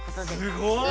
すごい。